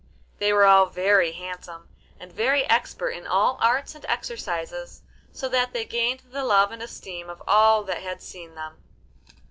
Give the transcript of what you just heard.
They were all very handsome, and very expert in all arts and exercises, so that they gained the love and esteem of all that had seen them.